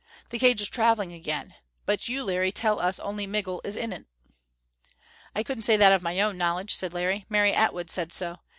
The cage is traveling again. But you, Larry, tell us only Migul is in it." "I couldn't say that of my own knowledge," said Larry. "Mary Atwood said so.